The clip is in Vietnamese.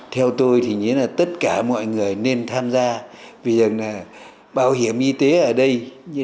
theo tôi thì nghĩ là tất cả mọi người nên tham gia bảo hiểm y tế ở đây